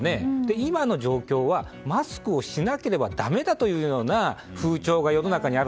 今の状況はマスクをしなければだめだというような風潮が世の中にある。